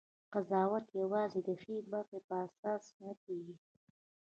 قضاوت یوازې د ښې برخې په اساس نه کېږي.